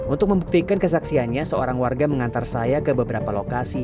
untuk membuktikan kesaksiannya seorang warga mengantar saya ke beberapa lokasi